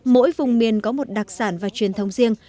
mỗi vùng miền có một đặc sản và truyền thống riêng